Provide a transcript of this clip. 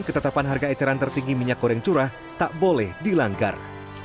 ketetapan harga eceran tertinggi minyak goreng curah tak boleh dilanggar